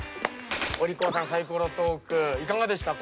お利口さんサイコロトークいかがでした？